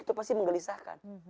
itu pasti menggelisahkan